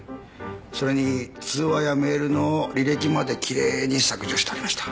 それに通話やメールの履歴まできれいに削除してありました。